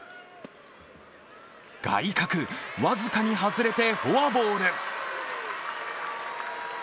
外角、僅かに外れてフォアボール。